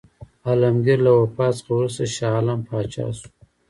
عالمګیر له وفات څخه وروسته شاه عالم پاچا شو.